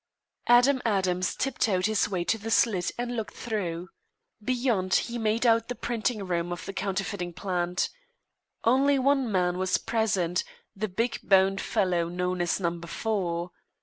Adam Adams tiptoed his way to the slit and looked through. Beyond he made out the printing room of the counterfeiting plant. Only one man was present, the big boned fellow known as Number Four.